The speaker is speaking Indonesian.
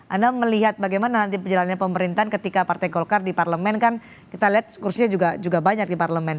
anda melihat bagaimana nanti perjalanan pemerintahan ketika partai golkar di parlemen kan kita lihat kursinya juga banyak di parlemen